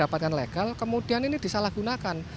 dapatkan legal kemudian ini disalahgunakan